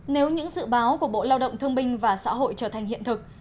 nếu những dự báo của bộ lao động thương binh và xã hội trở thành hiện thực